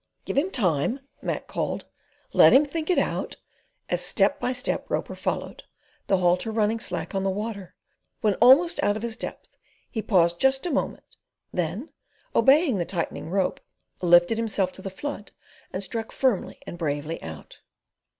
"Give him time!" Mac called. "Let him think it out," as step by step Roper followed, the halter running slack on the water. When almost out of his depth, he paused just a moment, then, obeying the tightening rope, lifted himself to the flood and struck firmly and bravely out.